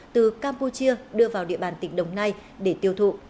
từ campuchia đưa vào địa bàn tỉnh đồng nai để tiêu thụ